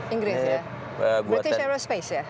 inggris ya british aerospace ya